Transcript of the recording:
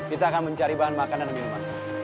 kita akan mencari bahan makanan dan minuman